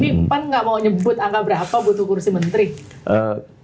ini pan nggak mau nyebut angka berapa butuh kursi menteri